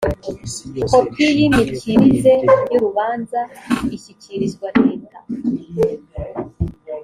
kopi y imikirize y urubanza ishyikirizwa leta